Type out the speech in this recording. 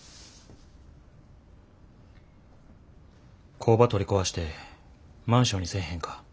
工場取り壊してマンションにせえへんか？